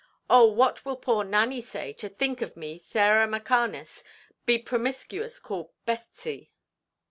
Oh, what will poor Nanny say, to think of me, Sarah Mackarness, be permiscuous called Betsy?"